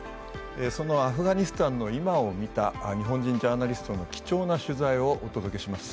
そのアフガニスタンの今を見た日本人ジャーナリストの貴重な取材をお届けします。